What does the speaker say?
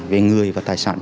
về người và tài sản